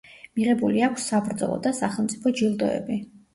მიღებული აქვს საბრძოლო და სახელმწიფო ჯილდოები.